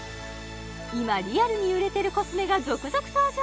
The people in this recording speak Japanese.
今リアルに売れてるコスメが続々登場